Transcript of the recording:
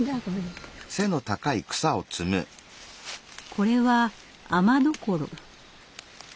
これはアマドコロ。